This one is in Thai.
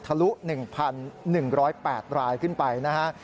ทะลุ๑๑๐๘รายขึ้นไปนะฮะ